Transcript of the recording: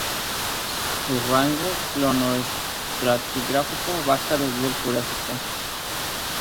Su rango cronoestratigráfico abarca desde el Jurásico.